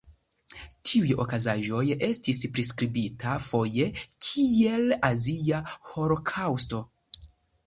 Tiuj okazaĵoj estis priskribita foje kiel Azia Holokaŭsto.